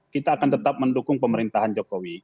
kita akan tetap mendukung pemerintahan jokowi